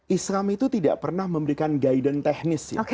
islam itu tidak pernah memberikan guidance teknis